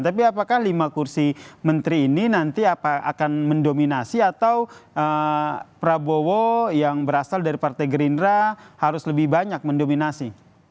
tapi apakah lima kursi menteri ini nanti akan mendominasi atau prabowo yang berasal dari partai gerindra harus lebih banyak mendominasi